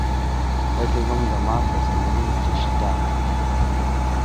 Ezle gamənda ma tazam ele mitəweshe da.